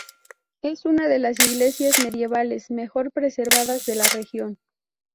Es una de las iglesias medievales mejor preservadas de la región.